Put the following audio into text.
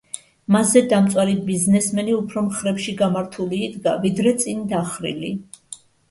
მასზე, დამწვარი ბიზნესმენი უფრო მხრებში გამართული იდგა, ვიდრე წინ დახრილი.